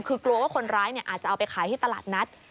คือกลัวว่าคนร้ายอาจจะเอาไปขายที่ตลาดนัด